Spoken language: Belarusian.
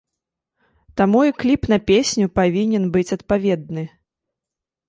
Таму і кліп на песню павінен быць адпаведны.